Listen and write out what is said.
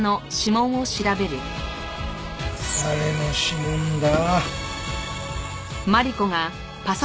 誰の指紋だ？